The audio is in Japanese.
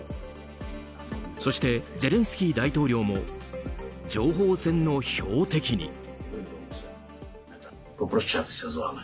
そして、ゼレンスキー大統領も情報戦の標的に。